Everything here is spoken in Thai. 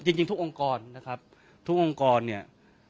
จริงทุกองค์กรนะครับทุกองค์กรเนี่ย